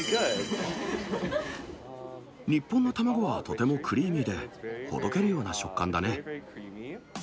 日本の卵はとてもクリーミーで、ほどけるような食感だね。